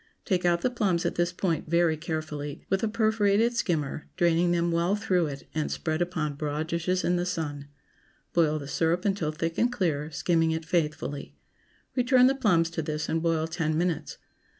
Take out the plums at this point, very carefully, with a perforated skimmer, draining them well through it, and spread upon broad dishes in the sun. Boil the syrup until thick and clear, skimming it faithfully. Return the plums to this, and boil ten minutes.